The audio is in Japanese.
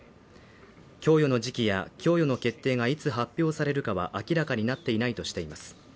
供与の時期や供与の決定がいつ発表されるかは明らかになっていないとしています